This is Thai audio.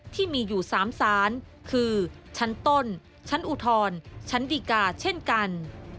ที่มีอยู่๓สารคือชั้นต้นชั้นอุทธรณ์ชั้นดีกาเช่นกัน